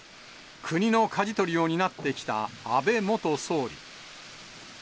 国のかじ取りを担ってきた安倍元総理。